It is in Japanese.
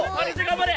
頑張れ！